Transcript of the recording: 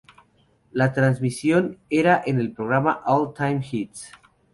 La trasmisión era en el programa All Time-Hits.